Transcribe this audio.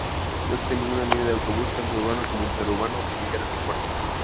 No existe ninguna línea de autobús, tanto urbano como interurbano, que llegue al Aeropuerto.